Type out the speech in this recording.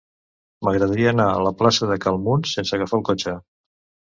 M'agradaria anar a la plaça de Cal Muns sense agafar el cotxe.